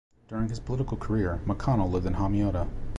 During his political career, McConnell lived in Hamiota.